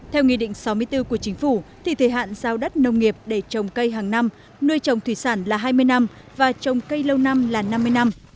theo nghị định sáu mươi bốn của chính phủ thì thời hạn giao đất nông nghiệp để trồng cây hàng năm nuôi trồng thủy sản là hai mươi năm và trồng cây lâu năm là năm mươi năm